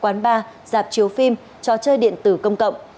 quán ba dạp chiếu phim cho chơi điện tử công cộng